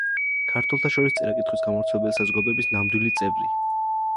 ქართველთა შორის წერა-კითხვის გამავრცელებელი საზოგადოების ნამდვილი წევრი.